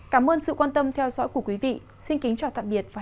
cảm ơn các bạn đã theo dõi và ủng hộ cho bản tin thời tiết